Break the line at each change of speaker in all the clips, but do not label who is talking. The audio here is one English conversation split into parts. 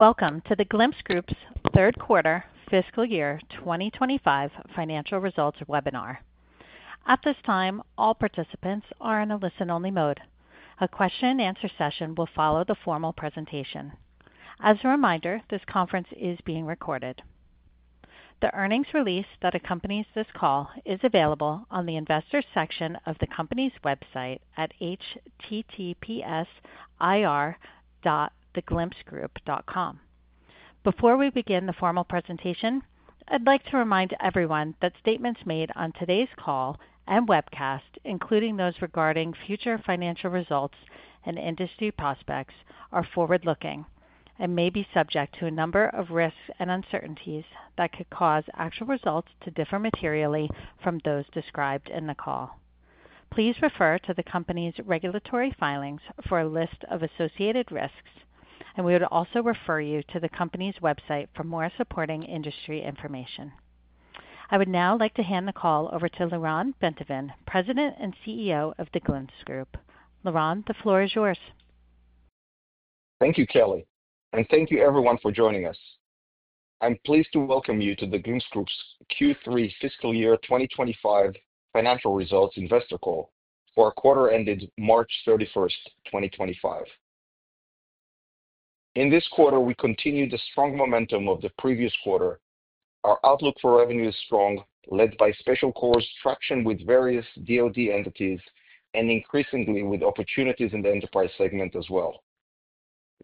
Welcome to The Glimpse Group's third quarter fiscal year 2025 financial results webinar. At this time, all participants are in a listen-only mode. A question-and-answer session will follow the formal presentation. As a reminder, this conference is being recorded. The earnings release that accompanies this call is available on the investor section of the company's website at https://ir.theglimpsegroup.com. Before we begin the formal presentation, I'd like to remind everyone that statements made on today's call and webcast, including those regarding future financial results and industry prospects, are forward-looking and may be subject to a number of risks and uncertainties that could cause actual results to differ materially from those described in the call. Please refer to the company's regulatory filings for a list of associated risks, and we would also refer you to the company's website for more supporting industry information. I would now like to hand the call over to Lyron Bentovim, President and CEO of The Glimpse Group. Lyron, the floor is yours.
Thank you, Kelly, and thank you, everyone, for joining us. I'm pleased to welcome you to The Glimpse Group's Q3 fiscal year 2025 financial results investor call for quarter-ended March 31st, 2025. In this quarter, we continue the strong momentum of the previous quarter. Our outlook for revenue is strong, led by SpatialCore's traction with various DoD entities and increasingly with opportunities in the enterprise segment as well.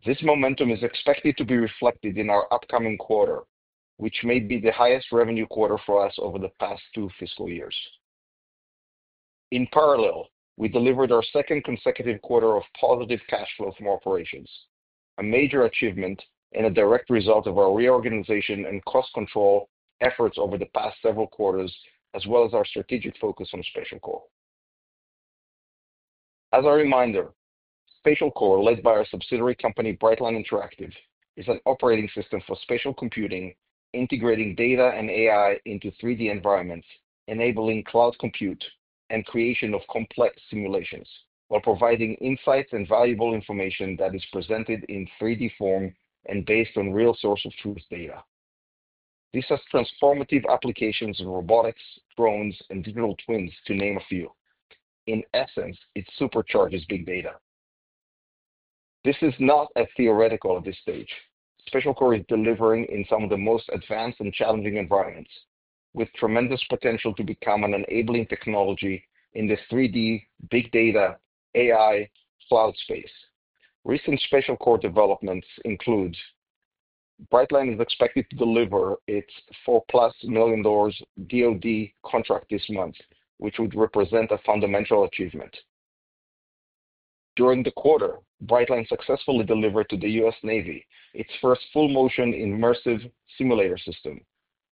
This momentum is expected to be reflected in our upcoming quarter, which may be the highest revenue quarter for us over the past two fiscal years. In parallel, we delivered our second consecutive quarter of positive cash flow from operations, a major achievement and a direct result of our reorganization and cost control efforts over the past several quarters, as well as our strategic focus on SpatialCore. As a reminder, SpatialCore, led by our subsidiary company, Brightline Interactive, is an operating system for spatial computing, integrating data and AI into 3D environments, enabling cloud compute and creation of complex simulations while providing insights and valuable information that is presented in 3D form and based on real source of truth data. This has transformative applications in robotics, drones, and digital twins, to name a few. In essence, it supercharges big data. This is not a theoretical at this stage. SpatialCore is delivering in some of the most advanced and challenging environments, with tremendous potential to become an enabling technology in this 3D big data AI cloud space. Recent SpatialCore developments include: Brightline is expected to deliver its +$4 million DoD contract this month, which would represent a fundamental achievement. During the quarter, Brightline successfully delivered to the U.S. Navy its first full-motion immersive simulator system.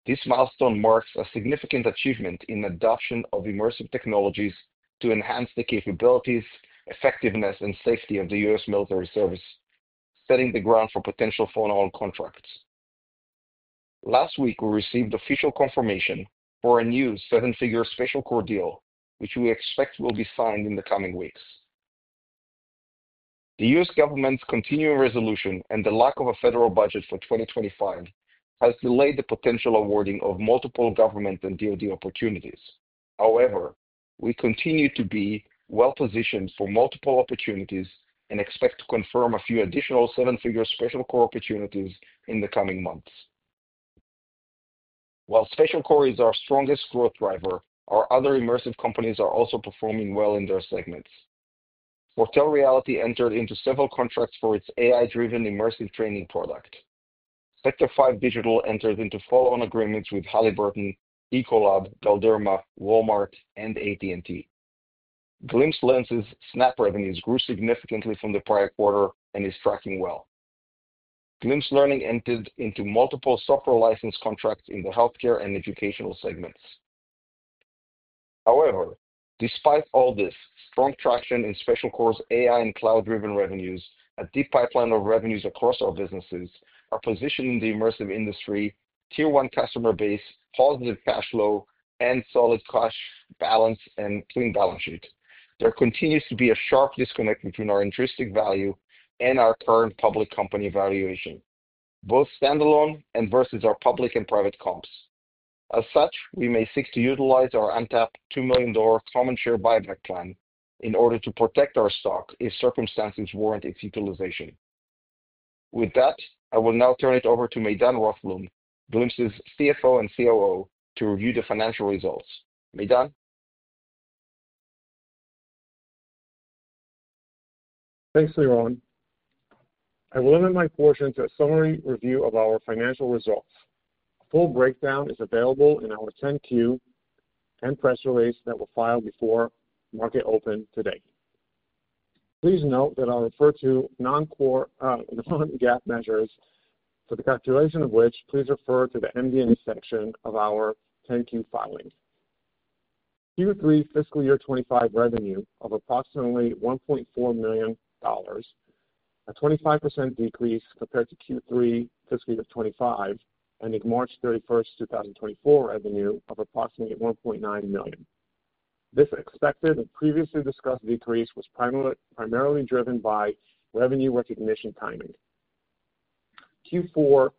This milestone marks a significant achievement in adoption of immersive technologies to enhance the capabilities, effectiveness, and safety of the U.S. military service, setting the ground for potential follow-on contracts. Last week, we received official confirmation for a new seven-figure SpatialCore deal, which we expect will be signed in the coming weeks. The U.S. government's continuing resolution and the lack of a federal budget for 2025 has delayed the potential awarding of multiple government and DoD opportunities. However, we continue to be well-positioned for multiple opportunities and expect to confirm a few additional seven-figure SpatialCore opportunities in the coming months. While SpatialCore is our strongest growth driver, our other immersive companies are also performing well in their segments. Foretell Reality entered into several contracts for its AI-driven immersive training product. Sector 5 Digital entered into follow-on agreements with Halliburton, Ecolab, Galderma, Walmart, and AT&T. Glimpse Lenses snap revenues grew significantly from the prior quarter and is tracking well. Glimpse Learning entered into multiple software license contracts in the healthcare and educational segments. However, despite all this, strong traction in SpatialCore's AI and cloud-driven revenues, a deep pipeline of revenues across our businesses are positioned in the immersive industry: tier one customer base, positive cash flow, and solid cash balance and clean balance sheet. There continues to be a sharp disconnect between our intrinsic value and our current public company valuation, both standalone and versus our public and private comps. As such, we may seek to utilize our untapped $2 million common share buyback plan in order to protect our stock if circumstances warrant its utilization. With that, I will now turn it over to Maydan Rothblum, Glimpse's CFO and COO, to review the financial results. Maydan?
Thanks, Lyron. I will limit my portion to a summary review of our financial results. A full breakdown is available in our 10-Q and press release that will file before market open today. Please note that I'll refer to Non-GAAP measures, for the calculation of which, please refer to the MD&A section of our 10-Q filing. Q3 fiscal year 2025 revenue of approximately $1.4 million, a 25% decrease compared to Q3 fiscal year 2025 and the March 31st, 2024 revenue of approximately $1.9 million. This expected and previously discussed decrease was primarily driven by revenue recognition timing. Q4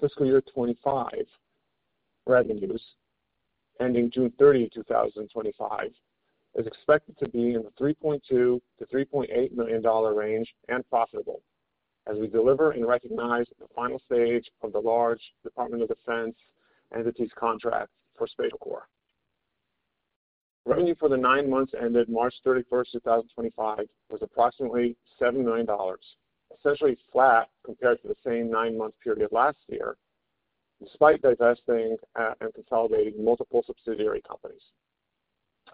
fiscal year 2025 revenues, ending June 30, 2025, is expected to be in the $3.2 million-$3.8 million range and profitable, as we deliver and recognize the final stage of the large Department of Defense entities contract for SpatialCore. Revenue for the nine months ended March 31st, 2025, was approximately $7 million, essentially flat compared to the same nine-month period last year, despite divesting and consolidating multiple subsidiary companies.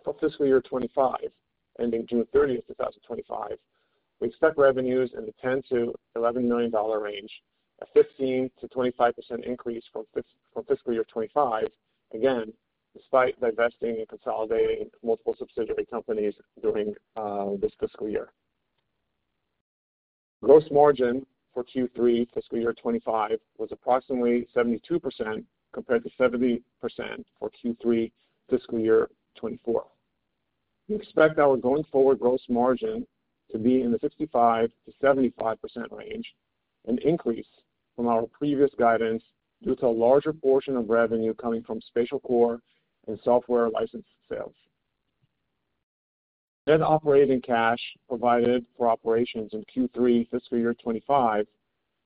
For fiscal year 2025, ending June 30, 2025, we expect revenues in the $10 million-$11 million range, a 15%-25% increase from fiscal year 2025, again, despite divesting and consolidating multiple subsidiary companies during this fiscal year. Gross margin for Q3 fiscal year 2025 was approximately 72% compared to 70% for Q3 fiscal year 2024. We expect our going forward gross margin to be in the 65%-75% range, an increase from our previous guidance due to a larger portion of revenue coming from SpatialCore and software license sales. Net operating cash provided for operations in Q3 fiscal year 2025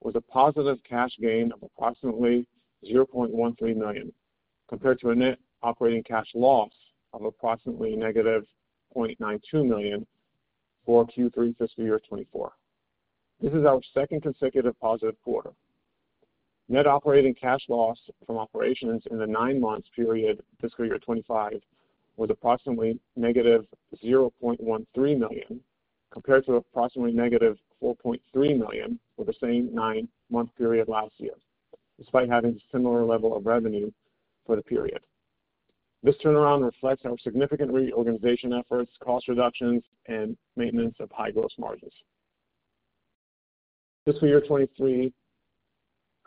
was a positive cash gain of approximately $0.13 million, compared to a net operating cash loss of approximately -$0.92 million for Q3 fiscal year 2024. This is our second consecutive positive quarter. Net operating cash loss from operations in the nine-month period fiscal year 2025 was approximately -$0.13 million, compared to approximately -$4.3 million for the same nine-month period last year, despite having a similar level of revenue for the period. This turnaround reflects our significant reorganization efforts, cost reductions, and maintenance of high gross margins. Fiscal year 2023,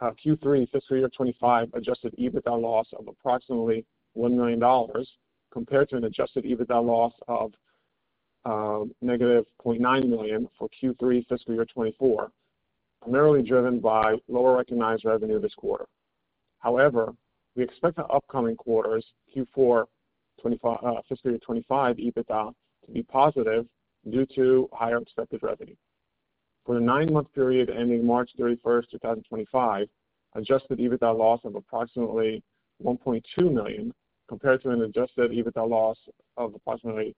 Q3 fiscal year 2025 adjusted EBITDA loss of approximately $1 million, compared to an adjusted EBITDA loss of -$0.9 million for Q3 fiscal year 2024, primarily driven by lower recognized revenue this quarter. However, we expect the upcoming quarter's Q4 fiscal year 2025 EBITDA to be positive due to higher expected revenue. For the nine-month period ending March 31st, 2025, adjusted EBITDA loss of approximately $1.2 million, compared to an adjusted EBITDA loss of approximately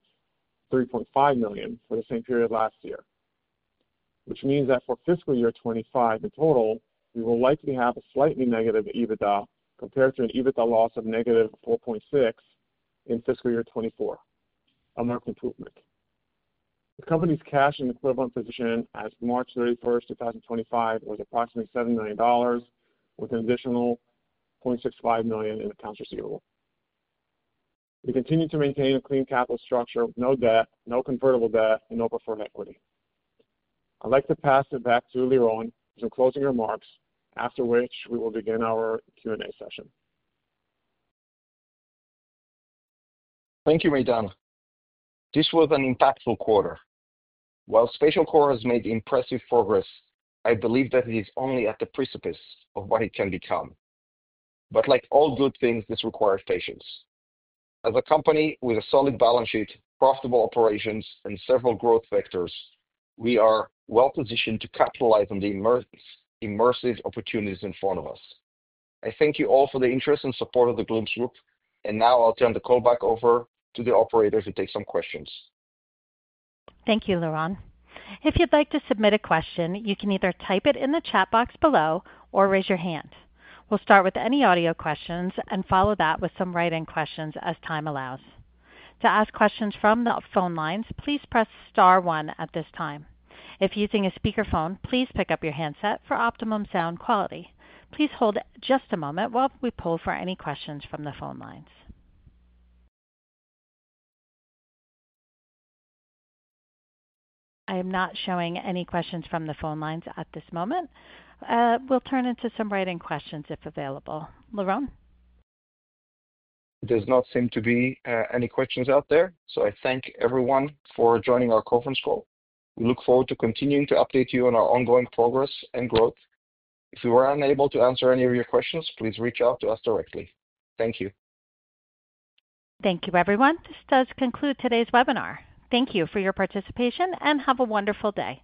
$3.5 million for the same period last year, which means that for fiscal year 2025, in total, we will likely have a slightly negative EBITDA compared to an EBITDA loss of -$4.6 million in fiscal year 2024, a marked improvement. The company's cash and equivalent position as of March 31st, 2025, was approximately $7 million, with an additional $0.65 million in accounts receivable. We continue to maintain a clean capital structure with no debt, no convertible debt, and no preferred equity. I'd like to pass it back to Lyron for some closing remarks, after which we will begin our Q&A session.
Thank you, Maydan. This was an impactful quarter. While SpatialCore has made impressive progress, I believe that it is only at the precipice of what it can become. Like all good things, this requires patience. As a company with a solid balance sheet, profitable operations, and several growth vectors, we are well-positioned to capitalize on the immersive opportunities in front of us. I thank you all for the interest and support of The Glimpse Group, and now I'll turn the call back over to the operator to take some questions.
Thank you, Lyron. If you'd like to submit a question, you can either type it in the chat box below or raise your hand. We'll start with any audio questions and follow that with some write-in questions as time allows. To ask questions from the phone lines, please press star one at this time. If using a speakerphone, please pick up your handset for optimum sound quality. Please hold just a moment while we pull for any questions from the phone lines. I am not showing any questions from the phone lines at this moment. We'll turn into some write-in questions if available. Lyron?
There does not seem to be any questions out there, so I thank everyone for joining our conference call. We look forward to continuing to update you on our ongoing progress and growth. If we were unable to answer any of your questions, please reach out to us directly. Thank you.
Thank you, everyone. This does conclude today's webinar. Thank you for your participation and have a wonderful day.